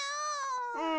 うん。